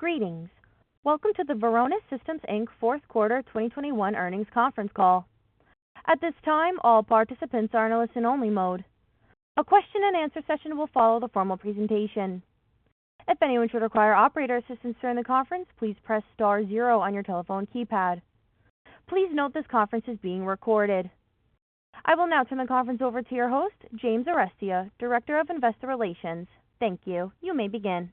Greetings. Welcome to the Varonis Systems, Inc. fourth quarter 2021 earnings conference call. At this time, all participants are in a listen-only mode. A question-and-answer session will follow the formal presentation. If anyone should require operator assistance during the conference, please press star zero on your telephone keypad. Please note this conference is being recorded. I will now turn the conference over to your host, James Arestia, Director of Investor Relations. Thank you. You may begin.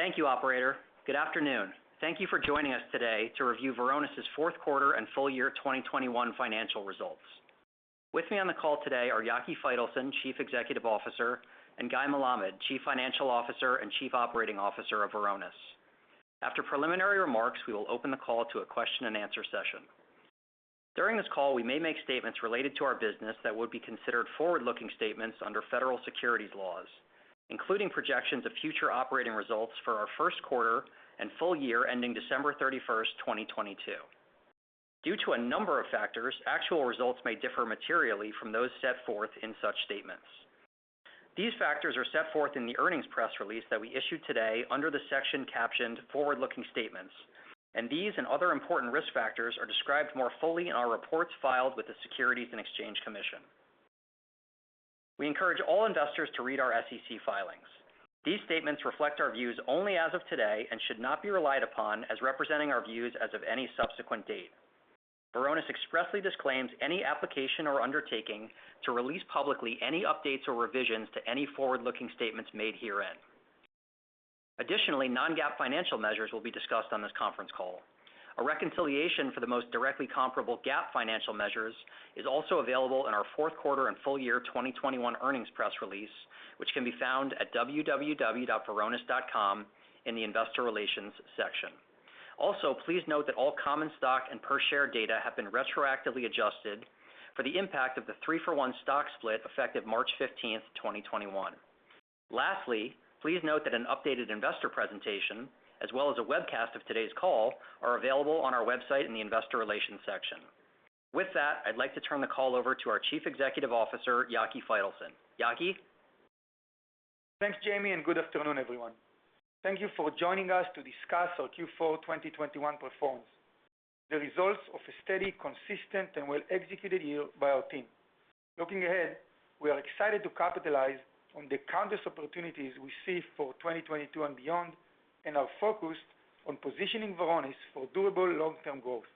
Thank you, operator. Good afternoon. Thank you for joining us today to review Varonis' fourth quarter and full year 2021 financial results. With me on the call today are Yaki Faitelson, Chief Executive Officer, and Guy Melamed, Chief Financial Officer and Chief Operating Officer of Varonis. After preliminary remarks, we will open the call to a question-and-answer session. During this call, we may make statements related to our business that would be considered forward-looking statements under federal securities laws, including projections of future operating results for our first quarter and full year ending December 31, 2022. Due to a number of factors, actual results may differ materially from those set forth in such statements. These factors are set forth in the earnings press release that we issued today under the section captioned Forward-Looking Statements, and these and other important risk factors are described more fully in our reports filed with the Securities and Exchange Commission. We encourage all investors to read our SEC filings. These statements reflect our views only as of today and should not be relied upon as representing our views as of any subsequent date. Varonis expressly disclaims any application or undertaking to release publicly any updates or revisions to any forward-looking statements made herein. Additionally, non-GAAP financial measures will be discussed on this conference call. A reconciliation for the most directly comparable GAAP financial measures is also available in our fourth quarter and full year 2021 earnings press release, which can be found at www.varonis.com in the Investor Relations section. Also, please note that all common stock and per share data have been retroactively adjusted for the impact of the three for one stock split effective March 15, 2021. Lastly, please note that an updated investor presentation, as well as a webcast of today's call, are available on our website in the Investor Relations section. With that, I'd like to turn the call over to our Chief Executive Officer, Yaki Faitelson. Yaki? Thanks, Jamie, and good afternoon, everyone. Thank you for joining us to discuss our Q4 2021 performance, the results of a steady, consistent, and well-executed year by our team. Looking ahead, we are excited to capitalize on the countless opportunities we see for 2022 and beyond, and are focused on positioning Varonis for durable long-term growth.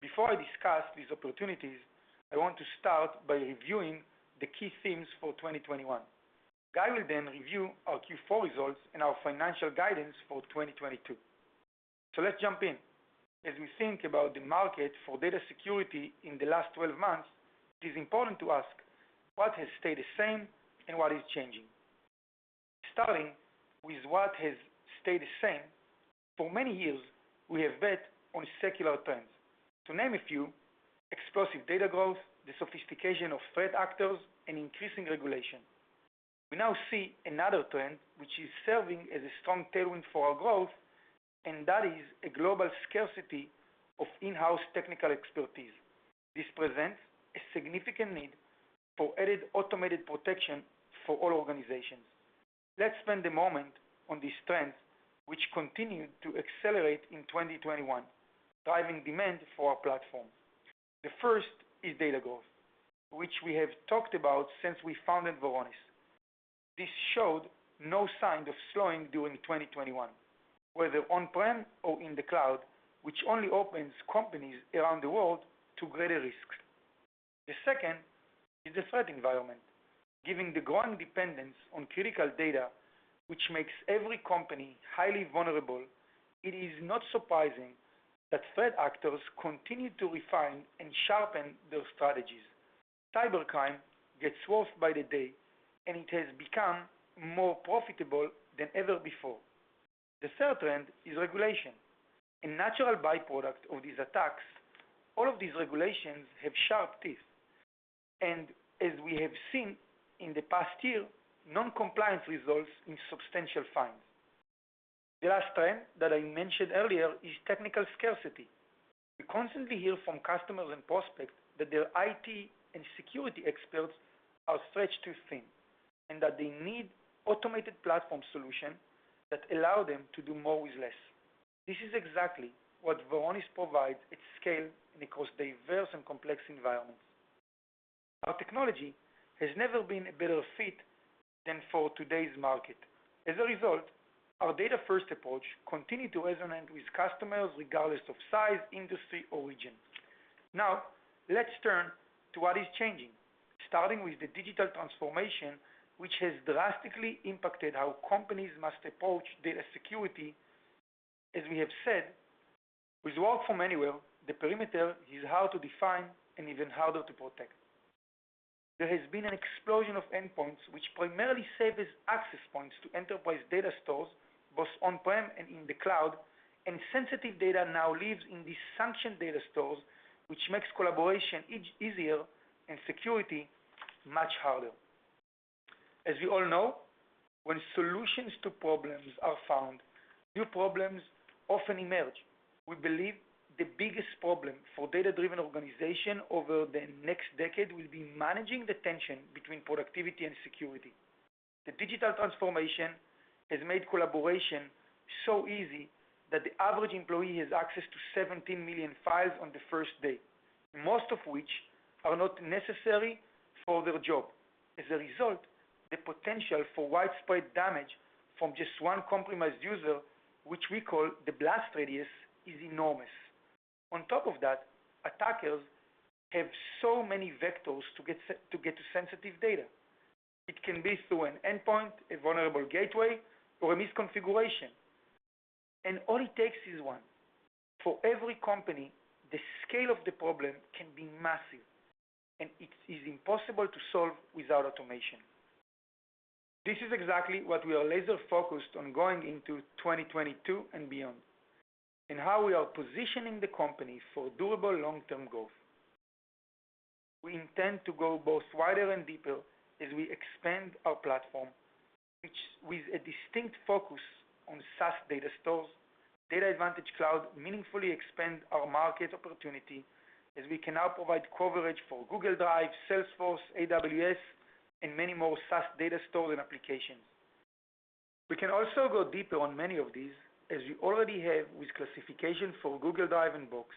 Before I discuss these opportunities, I want to start by reviewing the key themes for 2021. Guy will then review our Q4 results and our financial guidance for 2022. Let's jump in. As we think about the market for data security in the last 12 months, it is important to ask what has stayed the same and what is changing. Starting with what has stayed the same, for many years, we have bet on secular trends. To name a few, explosive data growth, the sophistication of threat actors, and increasing regulation. We now see another trend which is serving as a strong tailwind for our growth, and that is a global scarcity of in-house technical expertise. This presents a significant need for added automated protection for all organizations. Let's spend a moment on these trends, which continued to accelerate in 2021, driving demand for our platform. The first is data growth, which we have talked about since we founded Varonis. This showed no sign of slowing during 2021, whether on-prem or in the cloud, which only opens companies around the world to greater risks. The second is the threat environment. Given the growing dependence on critical data, which makes every company highly vulnerable, it is not surprising that threat actors continue to refine and sharpen their strategies. Cybercrime gets worse by the day, and it has become, more profitable than ever before. The third trend is regulation. A natural byproduct of these attacks, all of these regulations have sharp teeth. As we have seen in the past year, non-compliance results in substantial fines. The last trend that I mentioned earlier is technical scarcity. We constantly hear from customers and prospects that their IT and security experts are stretched too thin, and that they need automated platform solution that allow them to do more with less. This is exactly what Varonis provides at scale and across diverse and complex environments. Our technology has never been a better fit than for today's market. As a result, our data-first approach continued to resonate with customers regardless of size, industry, or region. Now, let's turn to what is changing, starting with the digital transformation, which has drastically impacted how companies must approach data security. As we have said, with work from anywhere, the perimeter is hard to define and even harder to protect. There has been an explosion of endpoints which primarily serve as access points to enterprise data stores, both on-prem and in the cloud, and sensitive data now lives in these sanctioned data stores, which makes collaboration easier and security much harder. As we all know, when solutions to problems are found, new problems often emerge. We believe the biggest problem for data-driven organization over the next decade will be managing the tension between productivity and security. The digital transformation has made collaboration so easy that the average employee has access to 17 million files on the first day, most of which are not necessary for their job. As a result, the potential for widespread damage from just one compromised user, which we call the blast radius, is enormous. On top of that, attackers have so many vectors to get to sensitive data. It can be through an endpoint, a vulnerable gateway, or a misconfiguration, and all it takes is one. For every company, the scale of the problem can be massive, and it is impossible to solve without automation. This is exactly what we are laser-focused on going into 2022 and beyond, and how we are positioning the company for durable long-term growth. We intend to go both wider and deeper as we expand our platform, which with a distinct focus on SaaS data stores, DatAdvantage Cloud meaningfully expand our market opportunity as we can now provide coverage for Google Drive, Salesforce, AWS, and many more SaaS data store and applications. We can also go deeper on many of these, as we already have with classification for Google Drive and Box,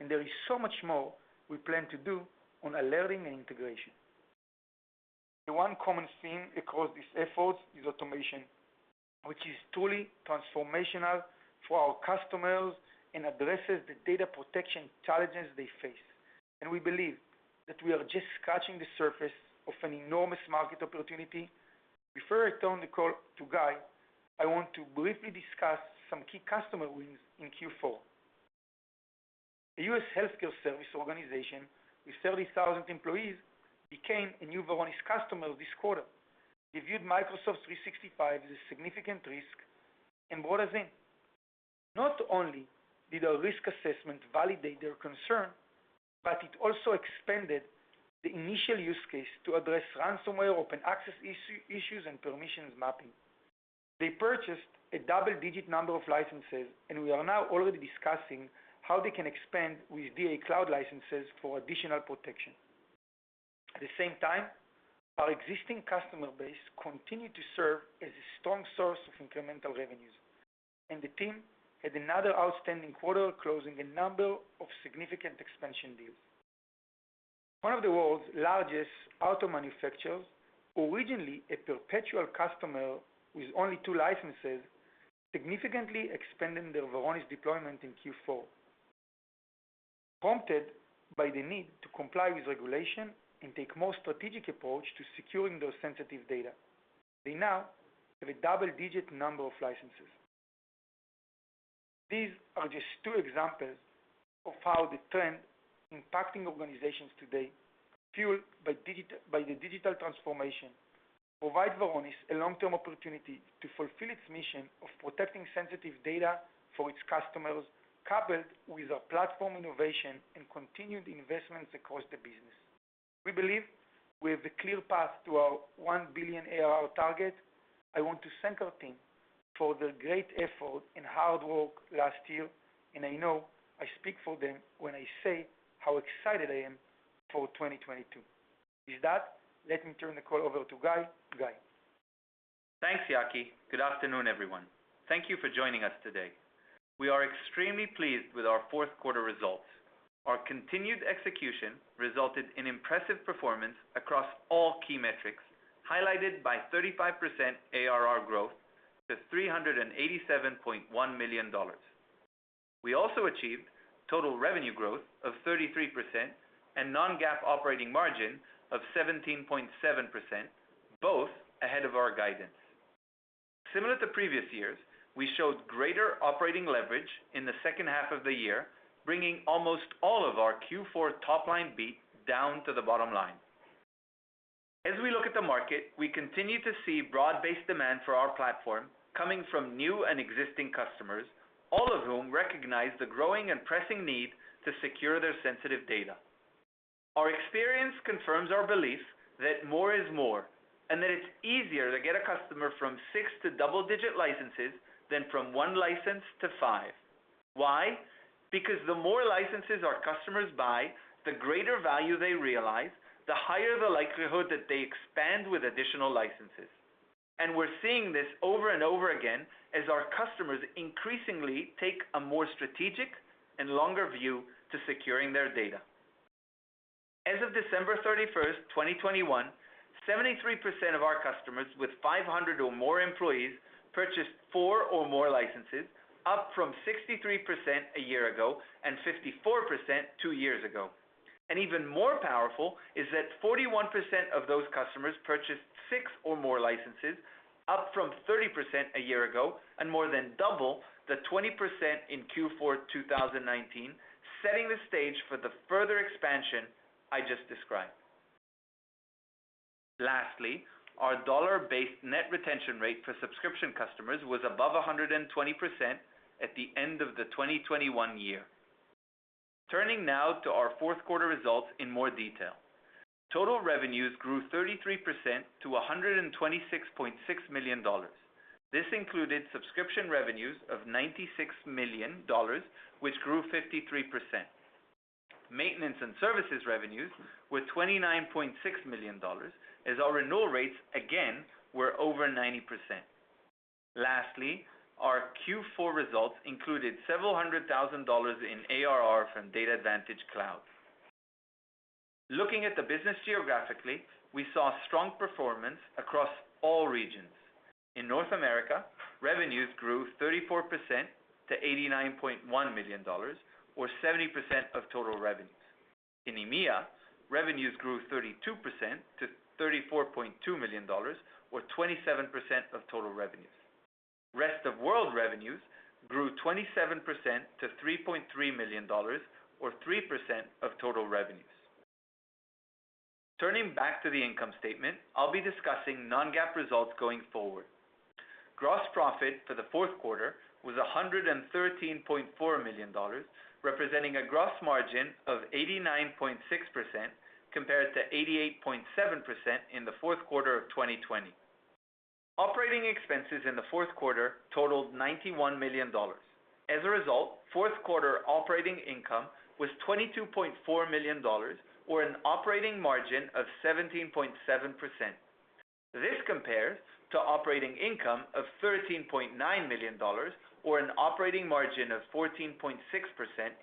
and there is so much more we plan to do on alerting and integration. The one common theme across these efforts is automation, which is truly transformational for our customers and addresses the data protection challenges they face. We believe that we are just scratching the surface of an enormous market opportunity. Before I turn the call to Guy, I want to briefly discuss some key customer wins in Q4. The U.S. healthcare service organization with 30,000 employees became a new Varonis customer this quarter. They viewed Microsoft 365 as a significant risk and brought us in. Not only did our risk assessment validate their concern, but it also expanded the initial use case to address ransomware, open access issues, and permissions mapping. They purchased a double-digit number of licenses, and we are now already discussing how they can expand with DA Cloud licenses for additional protection. At the same time, our existing customer base continued to serve as a strong source of incremental revenues, and the team had another outstanding quarter, closing a number of significant expansion deals. One of the world's largest auto manufacturers, originally a perpetual customer with only two licenses, significantly expanded their Varonis deployment in Q4, prompted by the need to comply with regulation and take more strategic approach to securing those sensitive data. They now have a double-digit number of licenses. These are just two examples of how the trend impacting organizations today, fueled by the digital transformation, provide Varonis a long-term opportunity to fulfill its mission of protecting sensitive data for its customers, coupled with our platform innovation and continued investments across the business. We believe we have a clear path to our 1 billion ARR target. I want to thank our team for their great effort and hard work last year, and I know I speak for them when I say how excited I am for 2022. With that, let me turn the call over to Guy. Guy. Thanks, Yaki. Good afternoon, everyone. Thank you for joining us today. We are extremely pleased with our fourth quarter results. Our continued execution resulted in impressive performance across all key metrics, highlighted by 35% ARR growth to $387.1 million. We also achieved total revenue growth of 33% and non-GAAP operating margin of 17.7%, both ahead of our guidance. Similar to previous years, we showed greater operating leverage in the second half of the year, bringing almost all of our Q4 top line beat down to the bottom line. As we look at the market, we continue to see broad-based demand for our platform coming from new and existing customers, all of whom recognize the growing and pressing need to secure their sensitive data. Our experience confirms our belief that more is more, and that it's easier to get a customer from six to double-digit licenses than from one license to five. Why? Because the more licenses our customers buy, the greater value they realize, the higher the likelihood that they expand with additional licenses. We're seeing this over and over again as our customers increasingly take a more strategic and longer view to securing their data. As of December 31, 2021, 73% of our customers with 500 or more employees purchased four or more licenses, up from 63% a year ago and 54% two years ago. Even more powerful is that 41% of those customers purchased six or more licenses, up from 30% a year ago and more than double the 20% in Q4 2019, setting the stage for the further expansion I just described. Lastly, our dollar-based net retention rate for subscription customers was above 120% at the end of 2021. Turning now to our fourth quarter results in more detail. Total revenues grew 33% to $126.6 million. This included subscription revenues of $96 million, which grew 53%. Maintenance and services revenues were $29.6 million, as our renewal rates, again, were over 90%. Lastly, our Q4 results included several hundred thousand dollars in ARR from DatAdvantage Cloud. Looking at the business geographically, we saw strong performance across all regions. In North America, revenues grew 34% to $89.1 million or 70% of total revenues. In EMEA, revenues grew 32% to $34.2 million or 27% of total revenues. Rest of World revenues grew 27% to $3.3 million or 3% of total revenues. Turning back to the income statement, I'll be discussing non-GAAP results going forward. Gross profit for the fourth quarter was $113.4 million, representing a gross margin of 89.6% compared to 88.7% in the fourth quarter of 2020. Operating expenses in the fourth quarter totaled $91 million. As a result, fourth quarter operating income was $22.4 million or an operating margin of 17.7%. This compares to operating income of $13.9 million or an operating margin of 14.6%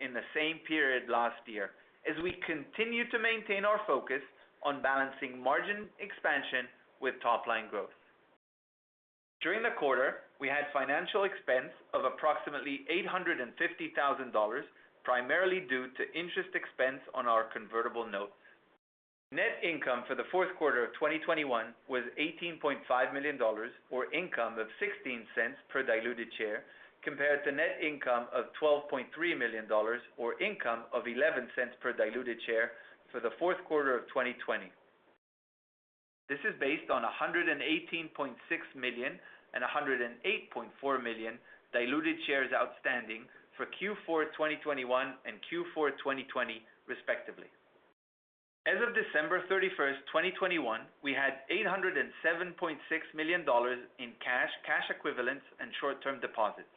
in the same period last year as we continue to maintain our focus on balancing margin expansion with top-line growth. During the quarter, we had financial expense of approximately $850,000, primarily due to interest expense on our convertible notes. Net income for the fourth quarter of 2021 was $18.5 million or income of $0.16 per diluted share compared to net income of $12.3 million or income of $0.11 per diluted share for the fourth quarter of 2020. This is based on 118.6 million and 108.4 million diluted shares outstanding for Q4 2021 and Q4 2020, respectively. As of December 31, 2021, we had $807.6 million in cash equivalents, and short-term deposits.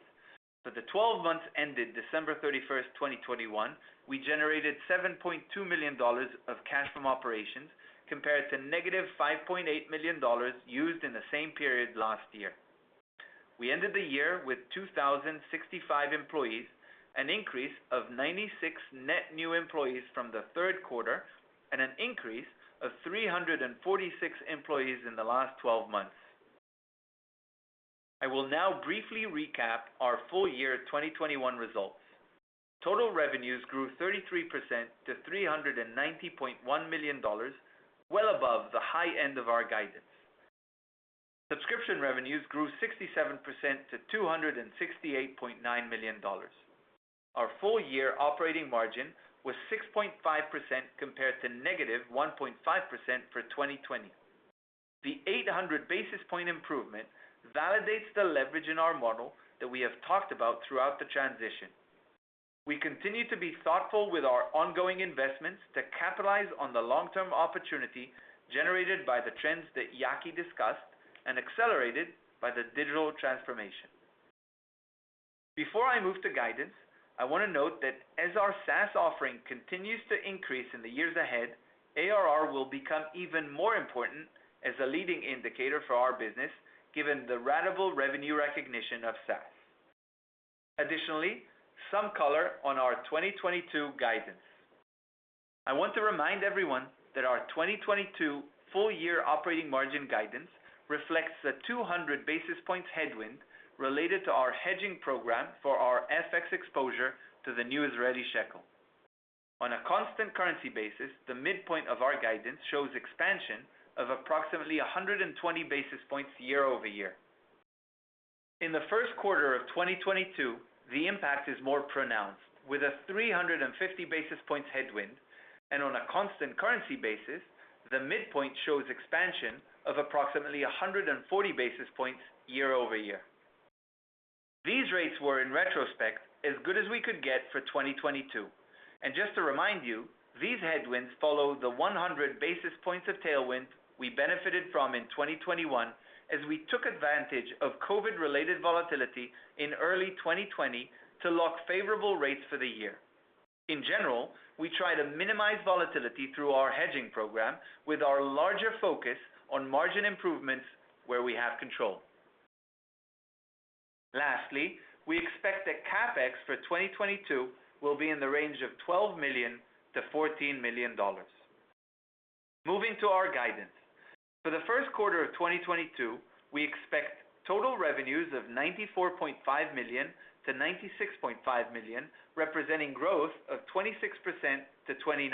For the twelve months ended December 31, 2021, we generated $7.2 million of cash from operations compared to -$5.8 million used in the same period last year. We ended the year with 2,065 employees, an increase of 96 net new employees from the third quarter and an increase of 346 employees in the last twelve months. I will now briefly recap our full year 2021 results. Total revenues grew 33% to $390.1 million, well above the high end of our guidance. Subscription revenues grew 67% to $268.9 million. Our full year operating margin was 6.5% compared to -1.5% for 2020. The 800 basis point improvement validates the leverage in our model that we have talked about throughout the transition. We continue to be thoughtful with our ongoing investments to capitalize on the long-term opportunity generated by the trends that Yaki discussed and accelerated by the digital transformation. Before I move to guidance, I want to note that as our SaaS offering continues to increase in the years ahead, ARR will become even more important as a leading indicator for our business, given the ratable revenue recognition of SaaS. Additionally, some color on our 2022 guidance. I want to remind everyone that our 2022 full year operating margin guidance reflects the 200 basis points headwind related to our hedging program for our FX exposure to the new Israeli shekel. On a constant currency basis, the midpoint of our guidance shows expansion of approximately 120 basis points year-over-year. In the first quarter of 2022, the impact is more pronounced with a 350 basis points headwind. On a constant currency basis, the midpoint shows expansion of approximately 140 basis points year-over-year. These rates were, in retrospect, as good as we could get for 2022. Just to remind you, these headwinds follow the 100 basis points of tailwind we benefited from in 2021 as we took advantage of COVID-related volatility in early 2020 to lock favorable rates for the year. In general, we try to minimize volatility through our hedging program with our larger focus on margin improvements where we have control. Lastly, we expect that CapEx for 2022 will be in the range of $12 million-$14 million. Moving to our guidance. For the first quarter of 2022, we expect total revenues of $94.5 million-$96.5 million, representing growth of 26%-29%.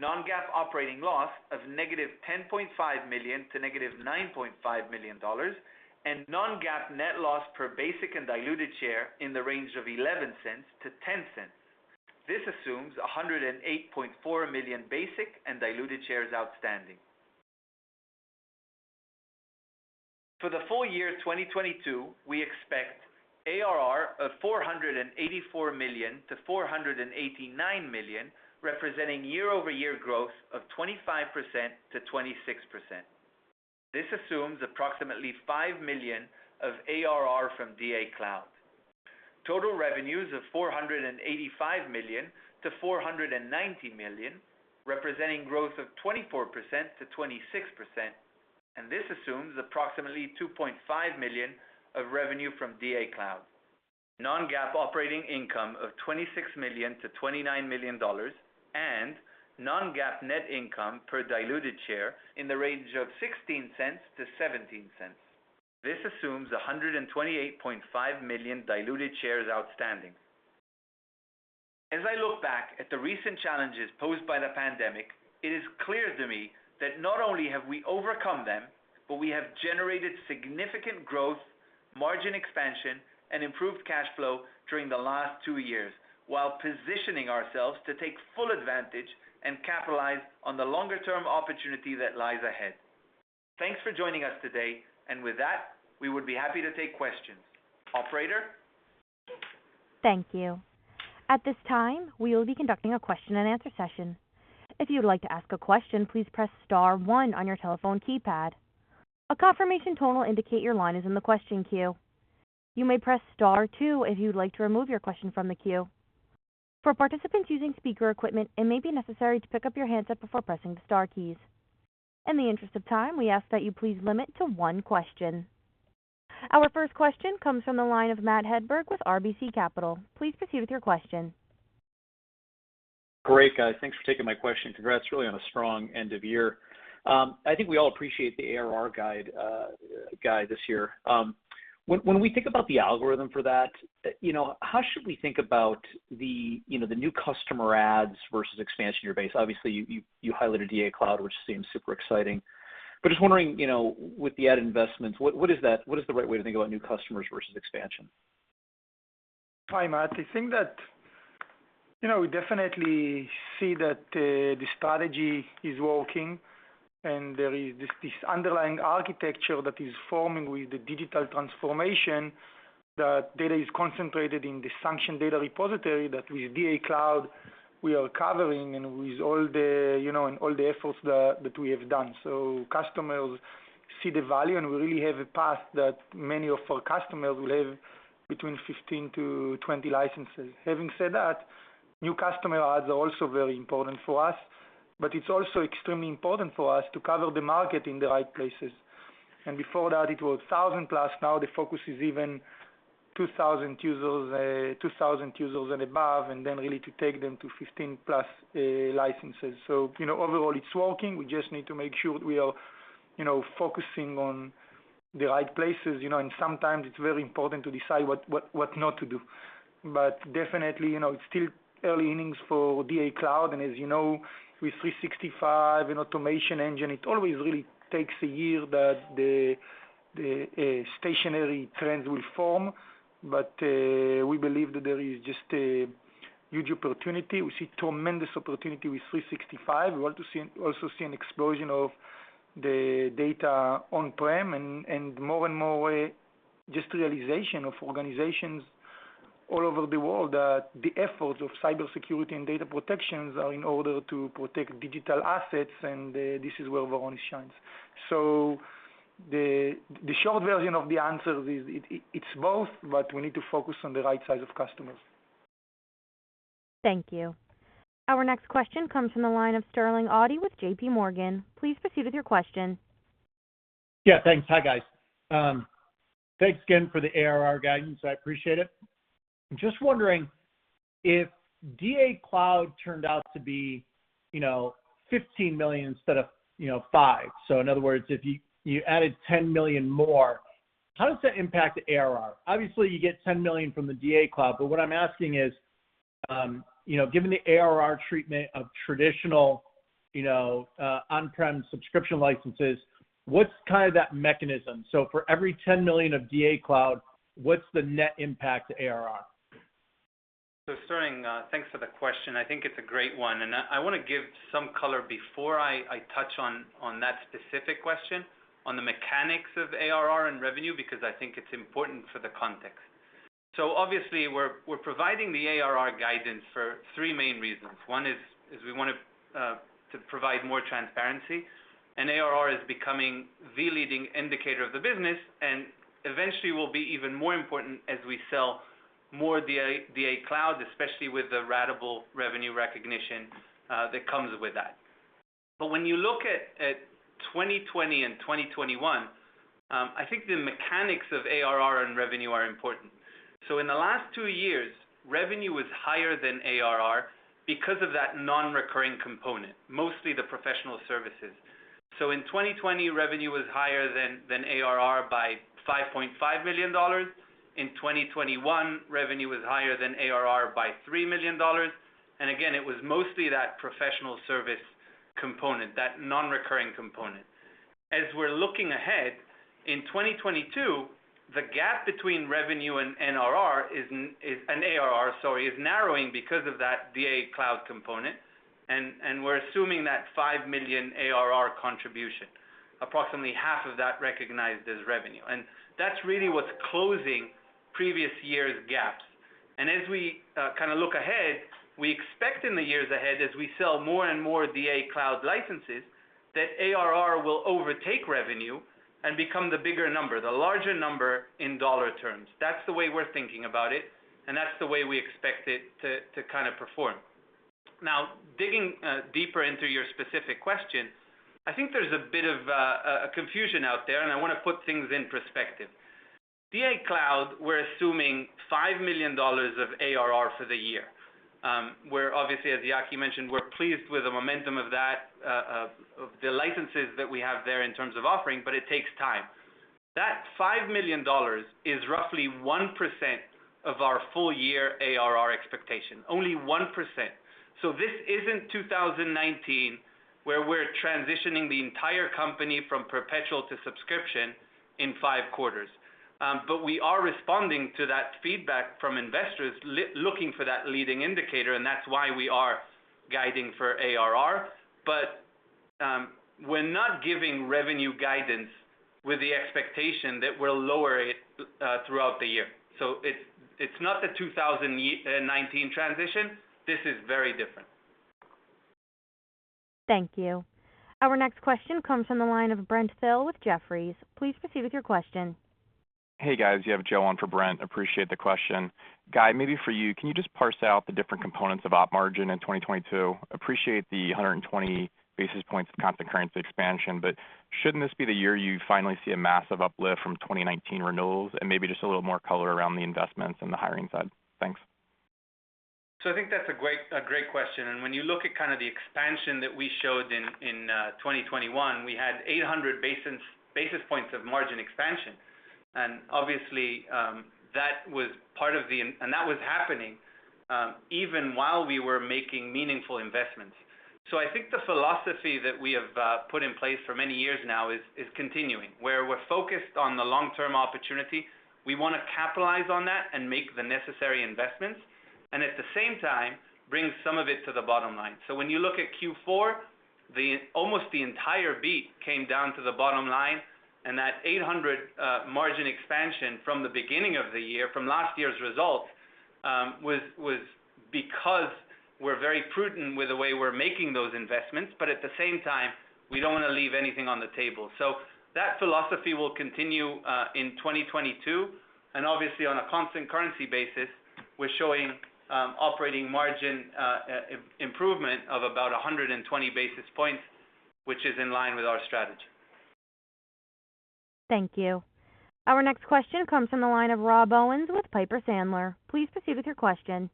Non-GAAP operating loss of -$10.5 million to -$9.5 million and non-GAAP net loss per basic and diluted share in the range of -$0.11 to -$0.10. This assumes 108.4 million basic and diluted shares outstanding. For the full year 2022, we expect ARR of $484 million-$489 million, representing year-over-year growth of 25%-26%. This assumes approximately $5 million of ARR from DA Cloud. Total revenues of $485 million-$490 million, representing growth of 24%-26%, and this assumes approximately $2.5 million of revenue from DA Cloud. Non-GAAP operating income of $26 million-$29 million and non-GAAP net income per diluted share in the range of $0.16-$0.17. This assumes 128.5 million diluted shares outstanding. As I look back at the recent challenges posed by the pandemic, it is clear to me that not only have we overcome them, but we have generated significant growth, margin expansion and improved cash flow during the last two years, while positioning ourselves to take full advantage and capitalize on the longer term opportunity that lies ahead. Thanks for joining us today. With that, we would be happy to take questions. Operator? Thank you. At this time, we'll be conducting a question-and-answer session. If you'd like to ask a question, please press star one on your telephone keypad. A confirmation tone will indicate your line is in the question queue. You may press star two if you'd like to remove your question from the queue. For participants using speaker equipment, it may be necessary to pick up your handset before pressing the star keys. In the interest of time, we ask that you please limit to one question. Our first question comes from the line of Matt Hedberg with RBC Capital Markets. Please proceed with your question. Great, guys. Thanks for taking my question. Congrats, really, on a strong end of year. I think we all appreciate the ARR guide this year. When we think about the algorithm for that, you know, how should we think about the, you know, the new customer adds versus expansion of your base? Obviously, you highlighted DA Cloud, which seems super exciting. But just wondering, you know, with the added investments, what is that? What is the right way to think about new customers versus expansion? Hi, Matt. I think that, you know, we definitely see that the strategy is working, and there is this underlying architecture that is forming with the digital transformation, that data is concentrated in the sanctioned data repository that with DA Cloud we are covering and with all the, you know, and all the efforts that we have done. Customers see the value, and we really have a path that many of our customers will have between 15-20 licenses. Having said that, new customer adds are also very important for us, but it's also extremely important for us to cover the market in the right places. Before that, it was 1,000+. Now the focus is even 2,000 users and above, and then really to take them to 15+ licenses. You know, overall, it's working. We just need to make sure we are, you know, focusing on the right places, you know, and sometimes it's very important to decide what not to do. Definitely, you know, it's still early innings for DA Cloud, and as you know, with Microsoft 365 and Automation Engine, it always really takes a year that the steady-state trends will form. We believe that there is just a huge opportunity. We see tremendous opportunity with Microsoft 365. We want to see an explosion of the data on-prem and more and more just realization of organizations all over the world that the efforts of cybersecurity and data protections are in order to protect digital assets, and this is where Varonis shines. The short version of the answer is, it's both, but we need to focus on the right size of customers. Thank you. Our next question comes from the line of Sterling Auty with JPMorgan. Please proceed with your question. Yeah, thanks. Hi, guys. Thanks again for the ARR guidance. I appreciate it. Just wondering if DA Cloud turned out to be, you know, $15 million instead of, you know, $5 million. In other words, if you added $10 million more, how does that impact the ARR? Obviously, you get $10 million from the DA Cloud, but what I'm asking is, you know, given the ARR treatment of traditional, you know, on-prem subscription licenses, what's kind of that mechanism? For every $10 million of DA Cloud, what's the net impact to ARR? Sterling, thanks for the question. I think it's a great one, and I wanna give some color before I touch on that specific question on the mechanics of ARR and revenue, because I think it's important for the context. Obviously, we're providing the ARR guidance for three main reasons. One is we wanna to provide more transparency, and ARR is becoming the leading indicator of the business and eventually will be even more important as we sell more DA Cloud, especially with the ratable revenue recognition that comes with that. When you look at 2020 and 2021, I think the mechanics of ARR and revenue are important. In the last two years, revenue was higher than ARR because of that non-recurring component, mostly the professional services. In 2020, revenue was higher than ARR by $5.5 million. In 2021, revenue was higher than ARR by $3 million. It was mostly that professional service component, that non-recurring component. As we're looking ahead, in 2022 the gap between revenue and ARR is narrowing because of that DA Cloud component. We're assuming that $5 million ARR contribution, approximately half of that recognized as revenue. That's really what's closing previous years' gaps. As we kind of look ahead, we expect in the years ahead, as we sell more and more DA Cloud licenses, that ARR will overtake revenue and become the bigger number, the larger number in dollar terms. That's the way we're thinking about it, and that's the way we expect it to kind of perform. Now, digging deeper into your specific question, I think there's a bit of a confusion out there, and I wanna put things in perspective. DA Cloud, we're assuming $5 million of ARR for the year. We're obviously, as Yaki mentioned, we're pleased with the momentum of that, of the licenses that we have there in terms of offering, but it takes time. That $5 million is roughly 1% of our full year ARR expectation, only 1%. This isn't 2019, where we're transitioning the entire company from perpetual to subscription in five quarters. We are responding to that feedback from investors looking for that leading indicator, and that's why we are guiding for ARR. We're not giving revenue guidance with the expectation that we're lower it throughout the year. It's not the 2019 transition. This is very different. Thank you. Our next question comes from the line of Brent Thill with Jefferies. Please proceed with your question. Hey, guys. You have Joe on for Brent. Appreciate the question. Guy, maybe for you, can you just parse out the different components of op margin in 2022? Appreciate the 120 basis points of constant currency expansion, but shouldn't this be the year you finally see a massive uplift from 2019 renewals? Maybe just a little more color around the investments and the hiring side. Thanks. I think that's a great question. When you look at kinda the expansion that we showed in 2021, we had 800 basis points of margin expansion. Obviously, that was happening even while we were making meaningful investments. I think the philosophy that we have put in place for many years now is continuing, where we're focused on the long-term opportunity. We wanna capitalize on that and make the necessary investments, and at the same time, bring some of it to the bottom line. When you look at Q4, almost the entire beat came down to the bottom line, and that 800 margin expansion from the beginning of the year, from last year's results, was because we're very prudent with the way we're making those investments. At the same time, we don't wanna leave anything on the table. That philosophy will continue in 2022. Obviously, on a constant currency basis, we're showing operating margin improvement of about 120 basis points, which is in line with our strategy. Thank you. Our next question comes from the line of Rob Owens with Piper Sandler. Please proceed with your question.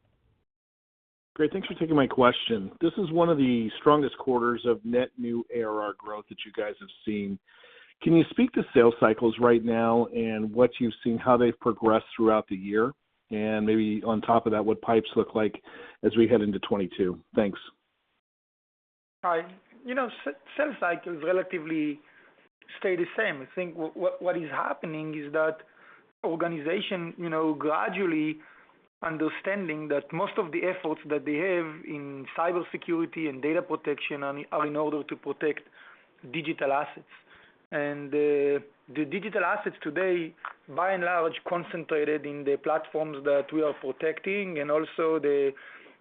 Great. Thanks for taking my question. This is one of the strongest quarters of net new ARR growth that you guys have seen. Can you speak to sales cycles right now and what you've seen, how they've progressed throughout the year? Maybe on top of that, what pipes look like as we head into 2022? Thanks. Hi. You know, sales cycles relatively stay the same. I think what is happening is that organization, you know, gradually understanding that most of the efforts that they have in cybersecurity and data protection are in order to protect digital assets. The digital assets today, by and large, concentrated in the platforms that we are protecting and also the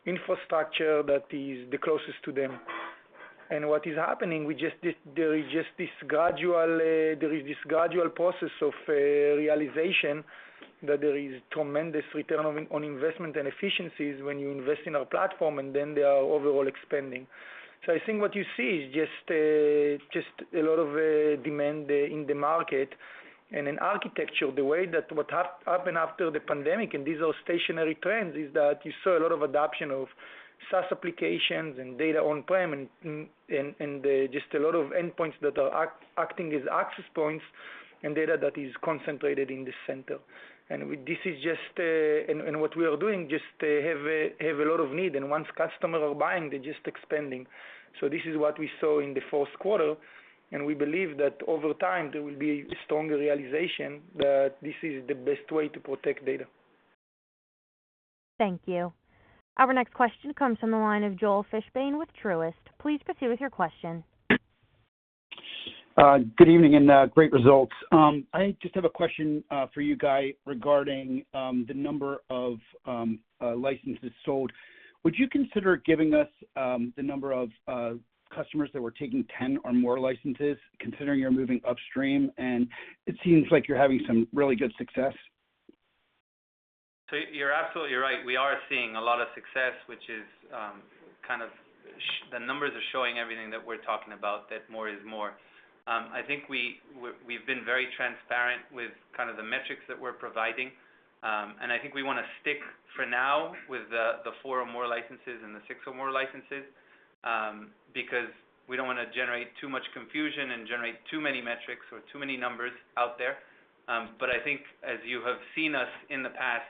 infrastructure that is the closest to them. What is happening, there is just this gradual process of realization that there is tremendous return on investment and efficiencies when you invest in our platform, and then they are overall expanding. I think what you see is just a lot of demand in the market. In architecture, the way that what happened after the pandemic, and these are stationary trends, is that you saw a lot of adoption of SaaS applications and data on-prem, just a lot of endpoints that are acting as access points and data that is concentrated in the center. What we are doing just have a lot of need. Once customers are buying, they're just expanding. This is what we saw in the fourth quarter, and we believe that over time, there will be stronger realization that this is the best way to protect data. Thank you. Our next question comes from the line of Joel Fishbein with Truist. Please proceed with your question. Good evening and great results. I just have a question for you, Guy, regarding the number of licenses sold. Would you consider giving us the number of customers that were taking 10 or more licenses, considering you're moving upstream, and it seems like you're having some really good success? You're absolutely right. We are seeing a lot of success, which is kind of the numbers are showing everything that we're talking about, that more is more. I think we've been very transparent with kind of the metrics that we're providing. I think we wanna stick for now with the four or more licenses and the six or more licenses, because we don't wanna generate too much confusion and generate too many metrics or too many numbers out there. I think as you have seen us in the past,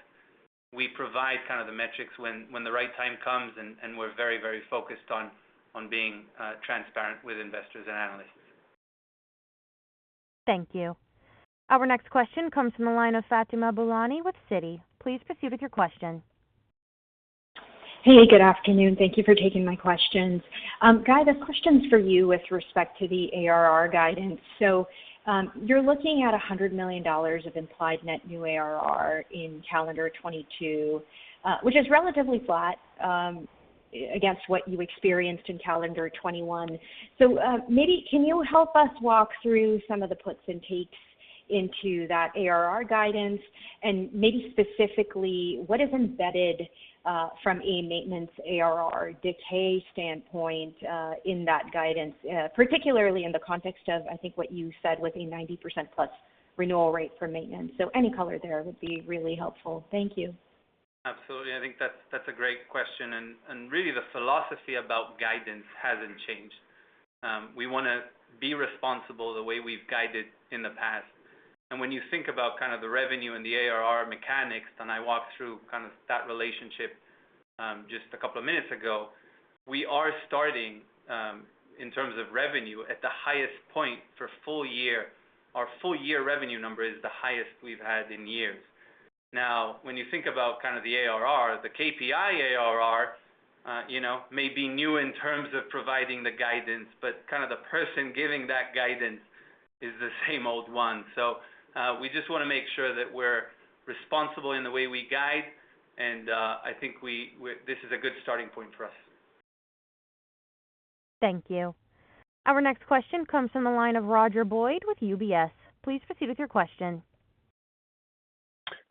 we provide kind of the metrics when the right time comes, and we're very, very focused on being transparent with investors and analysts. Thank you. Our next question comes from the line of Fatima Boolani with Citi. Please proceed with your question. Hey, good afternoon. Thank you for taking my questions. Guy, this question's for you with respect to the ARR guidance. You're looking at $100 million of implied net new ARR in calendar 2022, which is relatively flat against what you experienced in calendar 2021. Maybe can you help us walk through some of the puts and takes into that ARR guidance? And maybe specifically, what is embedded from a maintenance ARR decay standpoint in that guidance, particularly in the context of, I think, what you said was a 90%+ renewal rate for maintenance. Any color there would be really helpful. Thank you. Absolutely. I think that's a great question. Really the philosophy about guidance hasn't changed. We wanna be responsible the way we've guided in the past. When you think about kind of the revenue and the ARR mechanics, and I walked through kind of that relationship just a couple of minutes ago, we are starting in terms of revenue at the highest point for full year. Our full year revenue number is the highest we've had in years. Now, when you think about kind of the ARR, the KPI ARR, you know, may be new in terms of providing the guidance, but kind of the person giving that guidance is the same old one. We just wanna make sure that we're responsible in the way we guide and I think this is a good starting point for us. Thank you. Our next question comes from the line of Roger Boyd with UBS. Please proceed with your question.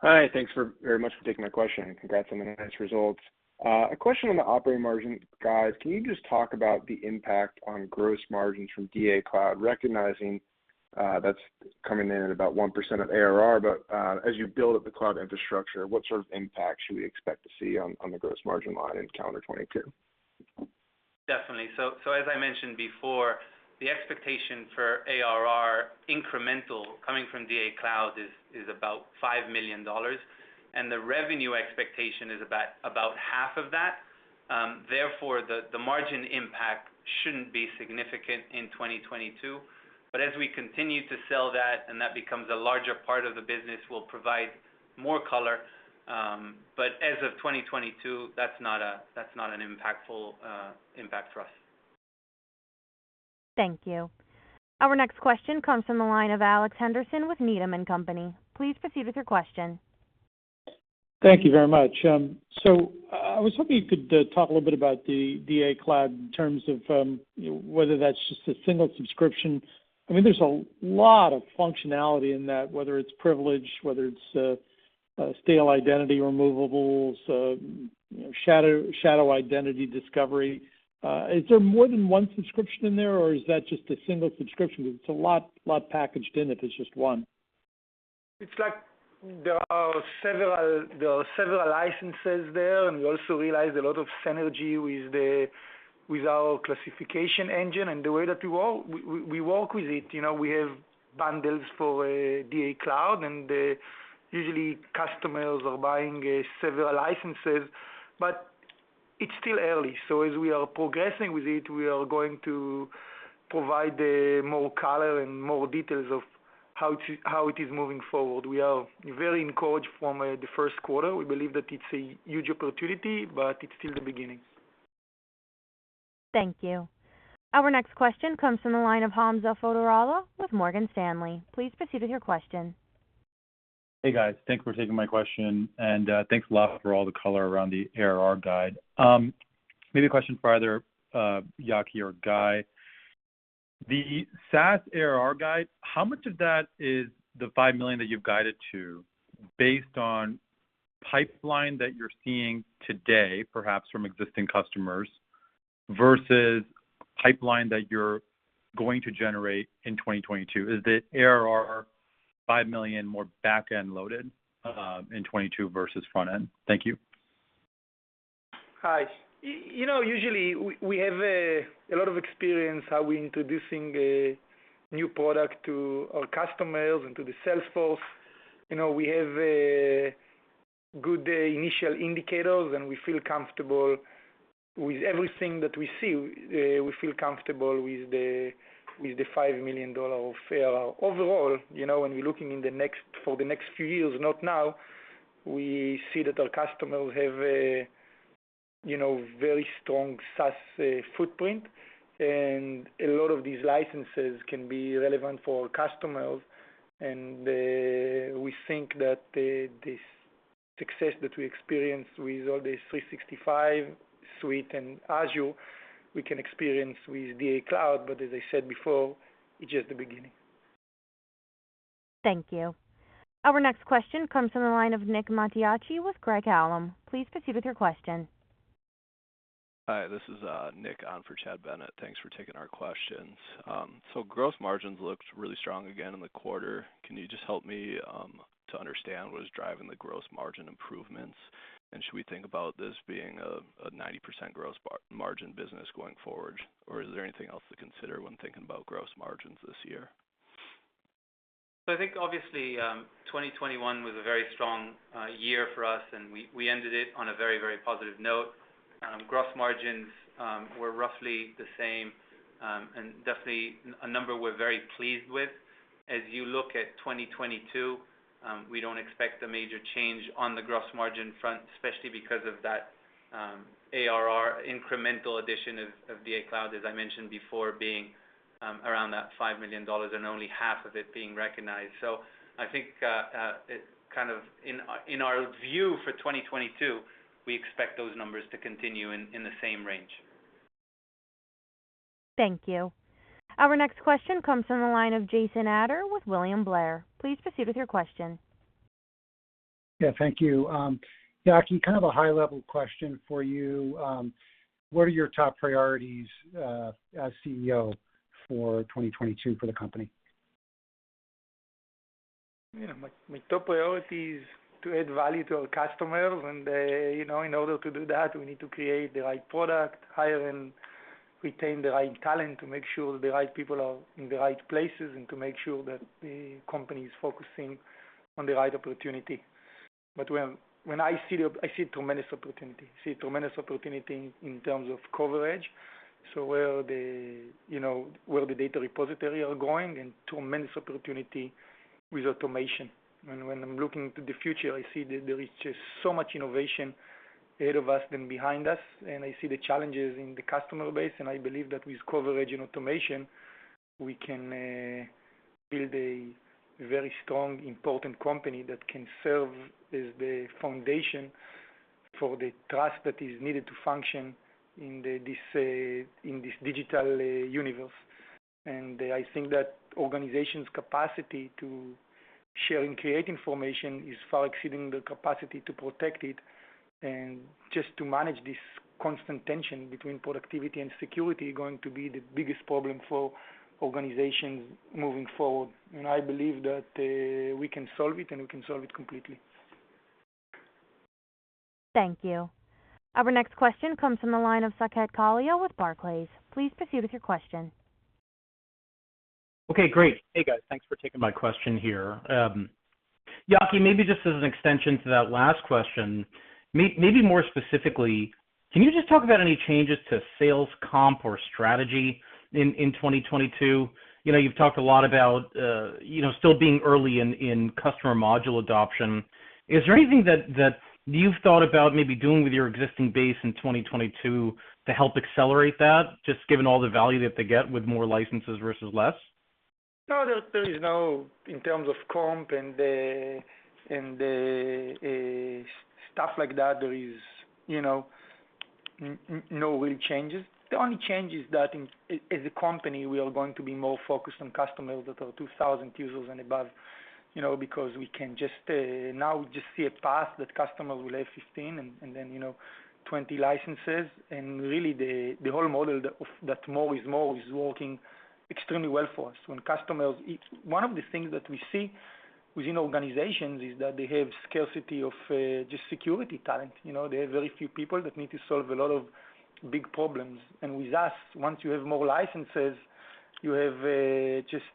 Hi. Thanks very much for taking my question, and congrats on the results. A question on the operating margin, guys. Can you just talk about the impact on gross margins from DA Cloud, recognizing that's coming in at about 1% of ARR. As you build up the cloud infrastructure, what sort of impact should we expect to see on the gross margin line in calendar 2022? Definitely. As I mentioned before, the expectation for ARR incremental coming from DA Cloud is about $5 million. The revenue expectation is about half of that. Therefore, the margin impact shouldn't be significant in 2022. As we continue to sell that and that becomes a larger part of the business, we'll provide more color. As of 2022, that's not an impactful impact for us. Thank you. Our next question comes from the line of Alex Henderson with Needham & Company. Please proceed with your question. Thank you very much. So I was hoping you could talk a little bit about the DA Cloud in terms of you know, whether that's just a single subscription. I mean, there's a lot of functionality in that, whether it's privilege, whether it's stale identity removables, you know, shadow identity discovery. Is there more than one subscription in there, or is that just a single subscription? Because it's a lot packaged in if it's just one. It's like there are several licenses there, and we also realized a lot of synergy with our classification engine and the way that we work with it. You know, we have bundles for DA Cloud, and usually customers are buying several licenses. But it's still early, so as we are progressing with it, we are going to provide more color and more details of how it is moving forward. We are very encouraged from the first quarter. We believe that it's a huge opportunity, but it's still the beginning. Thank you. Our next question comes from the line of Hamza Fodderwala with Morgan Stanley. Please proceed with your question. Hey, guys. Thank you for taking my question, and thanks a lot for all the color around the ARR guide. Maybe a question for either Yaki or Guy. The SaaS ARR guide, how much of that is the $5 million that you've guided to based on pipeline that you're seeing today, perhaps from existing customers, versus pipeline that you're going to generate in 2022? Is the ARR $5 million more back-end loaded in 2022 versus front-end? Thank you. You know, usually we have a lot of experience how we're introducing a new product to our customers and to the sales force. You know, we have a good initial indicators, and we feel comfortable with everything that we see. We feel comfortable with the $5 million of ARR. Overall, you know, when we're looking for the next few years, not now, we see that our customers have a you know, very strong SaaS footprint, and a lot of these licenses can be relevant for our customers. We think that the success that we experience with all the Microsoft 365 and Azure, we can experience with DA Cloud. As I said before, it's just the beginning. Thank you. Our next question comes from the line of Nick Mattiacci with Craig-Hallum. Please proceed with your question. Hi, this is Nick on for Chad Bennett. Thanks for taking our questions. Gross margins looked really strong again in the quarter. Can you just help me to understand what is driving the gross margin improvements? And should we think about this being a 90% gross margin business going forward, or is there anything else to consider when thinking about gross margins this year? I think obviously, 2021 was a very strong year for us, and we ended it on a very positive note. Gross margins were roughly the same, and definitely an A number we're very pleased with. As you look at 2022, we don't expect a major change on the gross margin front, especially because of that ARR incremental addition of DA Cloud, as I mentioned before, being around that $5 million and only half of it being recognized. I think, in our view for 2022, we expect those numbers to continue in the same range. Thank you. Our next question comes from the line of Jason Ader with William Blair. Please proceed with your question. Yeah, thank you. Yaki, kind of a high level question for you. What are your top priorities as CEO for 2022 for the company? You know, my top priority is to add value to our customers. You know, in order to do that, we need to create the right product, hire and retain the right talent to make sure the right people are in the right places, and to make sure that the company is focusing on the right opportunity. When I see tremendous opportunity. I see tremendous opportunity in terms of coverage, so where the data repositories are going and tremendous opportunity with automation. When I'm looking to the future, I see that there is just so much innovation ahead of us than behind us, and I see the challenges in the customer base, and I believe that with coverage and automation, we can build a very strong, important company that can serve as the foundation for the trust that is needed to function in this digital universe. I think that organizations' capacity to share and create information is far exceeding the capacity to protect it. Just to manage this constant tension between productivity and security are going to be the biggest problem for organizations moving forward. I believe that we can solve it and we can solve it completely. Thank you. Our next question comes from the line of Saket Kalia with Barclays. Please proceed with your question. Okay, great. Hey, guys. Thanks for taking my question here. Yaki, maybe just as an extension to that last question, maybe more specifically, can you just talk about any changes to sales comp or strategy in 2022? You know, you've talked a lot about, you know, still being early in customer module adoption. Is there anything that you've thought about maybe doing with your existing base in 2022 to help accelerate that, just given all the value that they get with more licenses versus less? No, there is no real changes in terms of comp and stuff like that, you know. The only change is that as a company, we are going to be more focused on customers that are 2000 users and above. You know, because we can now just see a path that customers will have 15 and then, you know, 20 licenses. Really, the whole model that more is more is working extremely well for us. One of the things that we see within organizations is that they have scarcity of just security talent. You know, they have very few people that need to solve a lot of big problems. With us, once you have more licenses, you have just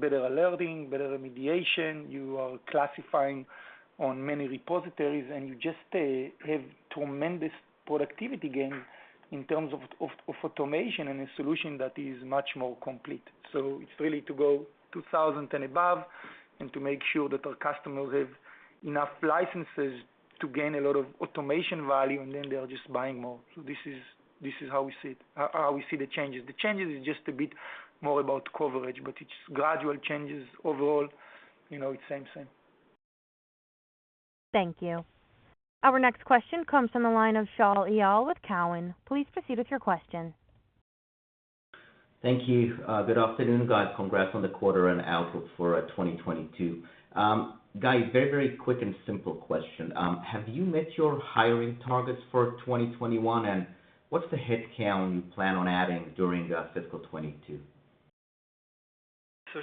better alerting, better remediation. You are classifying on many repositories, and you just have tremendous productivity gain in terms of automation and a solution that is much more complete. It's really to go 2,000 and above and to make sure that our customers have enough licenses to gain a lot of automation value, and then they are just buying more. This is how we see it, how we see the changes. The changes is just a bit more about coverage, but it's gradual changes. Overall, you know, it's same. Thank you. Our next question comes from the line of Shaul Eyal with Cowen. Please proceed with your question. Thank you. Good afternoon, guys. Congrats on the quarter and outlook for 2022. Guys, very, very quick and simple question. Have you met your hiring targets for 2021, and what's the headcount you plan on adding during fiscal 2022?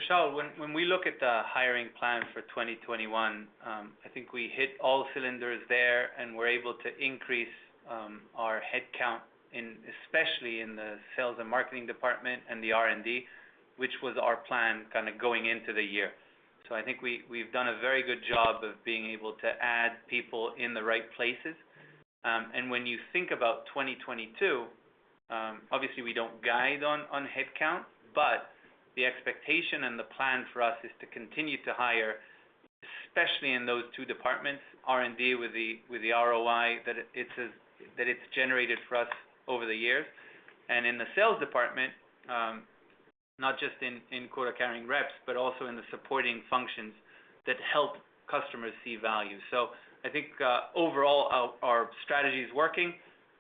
Shaul, when we look at the hiring plan for 2021, I think we hit all cylinders there, and we're able to increase our headcount, especially in the sales and marketing department and the R&D, which was our plan kinda going into the year. I think we've done a very good job of being able to add people in the right places. When you think about 2022, obviously we don't guide on headcount, but the expectation and the plan for us is to continue to hire, especially in those two departments, R&D with the ROI that it's generated for us over the years. In the sales department, not just in quota-carrying reps, but also in the supporting functions that help customers see value. I think, overall our strategy is working,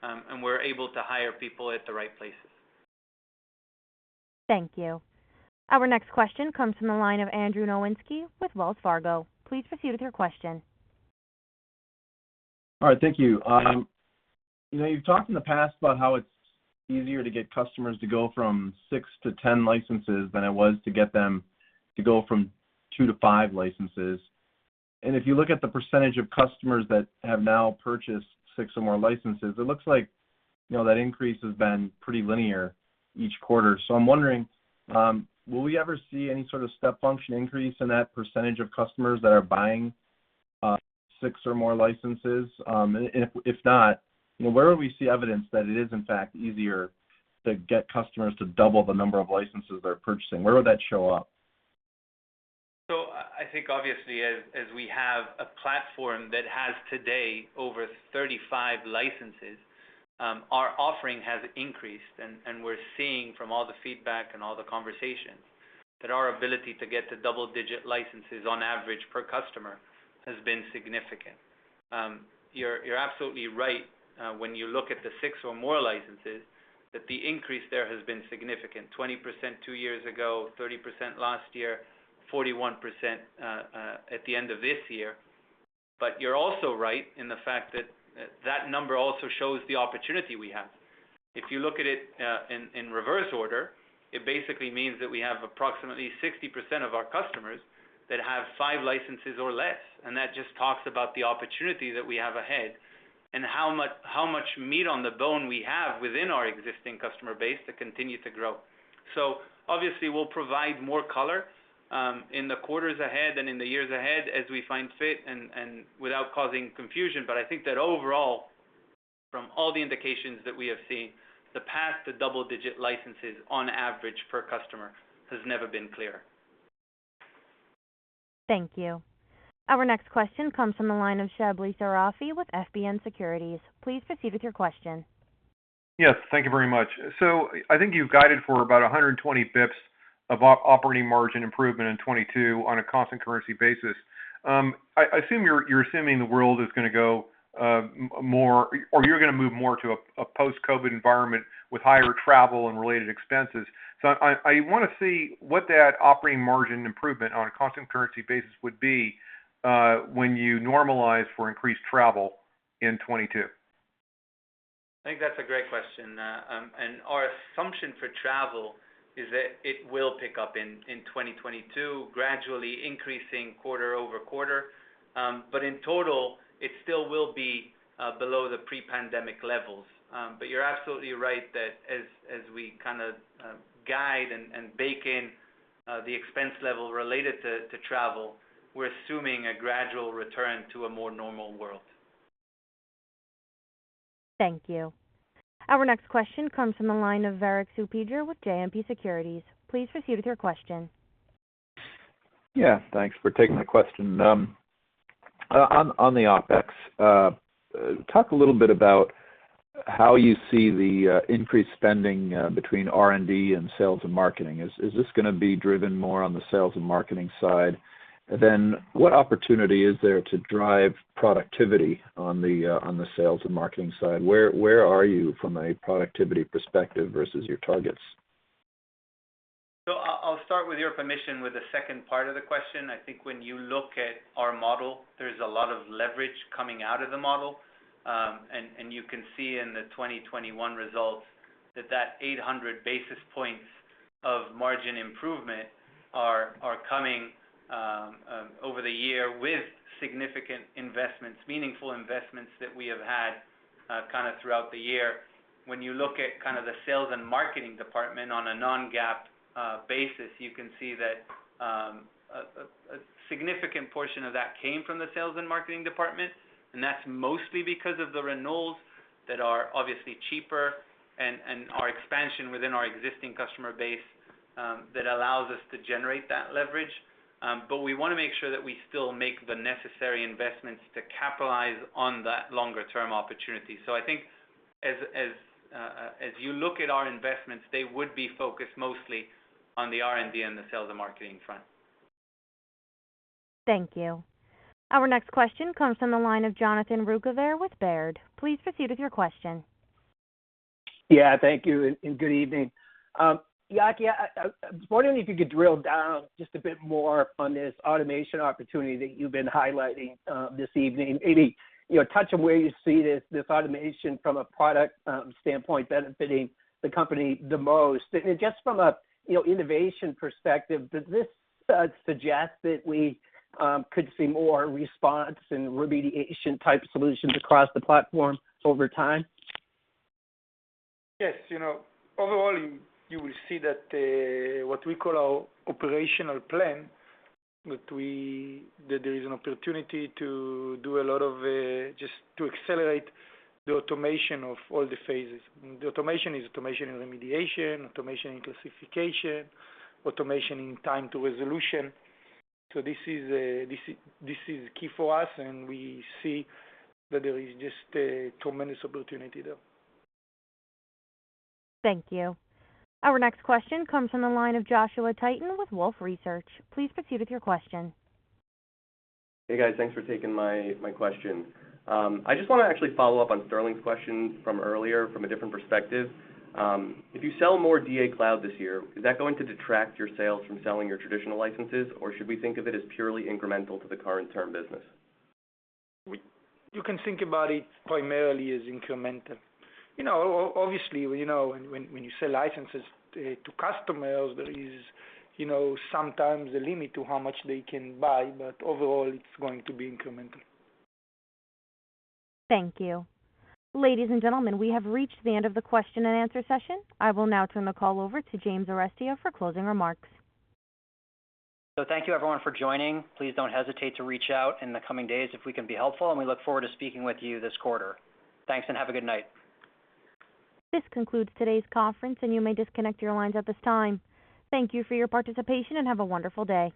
and we're able to hire people at the right places. Thank you. Our next question comes from the line of Andrew Nowinski with Wells Fargo. Please proceed with your question. All right. Thank you. You know, you've talked in the past about how it's easier to get customers to go from six-10 licenses than it was to get them to go from two-five licenses. If you look at the percentage of customers that have now purchased six or more licenses, it looks like, you know, that increase has been pretty linear each quarter. I'm wondering, will we ever see any sort of step function increase in that percentage of customers that are buying six or more licenses? If not, you know, where would we see evidence that it is in fact easier to get customers to double the number of licenses they're purchasing? Where would that show up? I think obviously as we have a platform that has today over 35 licenses, our offering has increased and we're seeing from all the feedback and all the conversations that our ability to get to double-digit licenses on average per customer has been significant. You're absolutely right when you look at the six or more licenses that the increase there has been significant, 20% two years ago, 30% last year, 41% at the end of this year. You're also right in the fact that that number also shows the opportunity we have. If you look at it in reverse order, it basically means that we have approximately 60% of our customers that have five licenses or less, and that just talks about the opportunity that we have ahead and how much meat on the bone we have within our existing customer base to continue to grow. Obviously we'll provide more color in the quarters ahead and in the years ahead as we find fit and without causing confusion. I think that overall, from all the indications that we have seen, the path to double-digit licenses on average per customer has never been clearer. Thank you. Our next question comes from the line of Shebly Seyrafi with FBN Securities. Please proceed with your question. Yes, thank you very much. I think you've guided for about 120 basis points of operating margin improvement in 2022 on a constant currency basis. I assume you're assuming the world is gonna go more or you're gonna move more to a post-COVID environment with higher travel and related expenses. I wanna see what that operating margin improvement on a constant currency basis would be when you normalize for increased travel in 2022. I think that's a great question. Our assumption for travel is that it will pick up in 2022, gradually increasing quarter-over-quarter. In total, it still will be below the pre-pandemic levels. You're absolutely right that as we kind of guide and bake in the expense level related to travel, we're assuming a gradual return to a more normal world. Thank you. Our next question comes from the line of Erik Suppiger with JMP Securities. Please proceed with your question. Yeah, thanks for taking the question. On the OpEx, talk a little bit about how you see the increased spending between R&D and sales and marketing. Is this gonna be driven more on the sales and marketing side? What opportunity is there to drive productivity on the sales and marketing side? Where are you from a productivity perspective versus your targets? I'll start with your permission with the second part of the question. I think when you look at our model, there's a lot of leverage coming out of the model. You can see in the 2021 results that 800 basis points of margin improvement are coming over the year with significant investments, meaningful investments that we have had kind of throughout the year. When you look at kind of the sales and marketing department on a non-GAAP basis, you can see that a significant portion of that came from the sales and marketing department, and that's mostly because of the renewals that are obviously cheaper and our expansion within our existing customer base that allows us to generate that leverage. We wanna make sure that we still make the necessary investments to capitalize on that longer term opportunity. I think as you look at our investments, they would be focused mostly on the R&D and the sales and marketing front. Thank you. Our next question comes from the line of Jonathan Ruykhaver with Baird. Please proceed with your question. Yeah, thank you and good evening. Yaki, I was wondering if you could drill down just a bit more on this automation opportunity that you've been highlighting this evening. You know, touch on where you see this automation from a product standpoint benefiting the company the most. Just from a you know, innovation perspective, does this suggest that we could see more response and remediation type solutions across the platform over time? Yes. You know, overall you will see that what we call our operational plan, that there is an opportunity to do a lot of just to accelerate the automation of all the phases. The automation is automation in remediation, automation in classification, automation in time to resolution. So this is key for us, and we see that there is just a tremendous opportunity there. Thank you. Our next question comes from the line of Joshua Tilton with Wolfe Research. Please proceed with your question. Hey, guys. Thanks for taking my question. I just wanna actually follow up on Sterling's question from earlier from a different perspective. If you sell more DA Cloud this year, is that going to detract your sales from selling your traditional licenses, or should we think of it as purely incremental to the current term business? You can think about it primarily as incremental. You know, obviously, you know, when you sell licenses to customers, there is, you know, sometimes a limit to how much they can buy, but overall, it's going to be incremental. Thank you. Ladies and gentlemen, we have reached the end of the question and answer session. I will now turn the call over to James Arestia for closing remarks. Thank you everyone for joining. Please don't hesitate to reach out in the coming days if we can be helpful, and we look forward to speaking with you this quarter. Thanks, and have a good night. This concludes today's conference, and you may disconnect your lines at this time. Thank you for your participation and have a wonderful day.